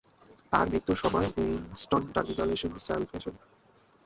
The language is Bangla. তার মৃত্যুর সময় উইনস্টন টার্মিনেটর স্যালভেশনের সিক্যুয়েল নিয়ে কাজ করছিল।